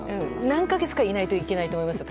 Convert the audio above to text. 何か月かいないといけないと思います。